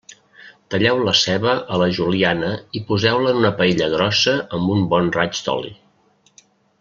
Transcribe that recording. Talleu la ceba a la juliana i poseu-la en una paella grossa amb un bon raig d'oli.